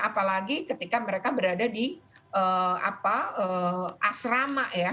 apalagi ketika mereka berada di asrama ya